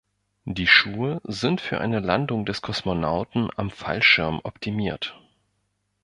Die Schuhe sind für eine Landung des Kosmonauten am Fallschirm optimiert.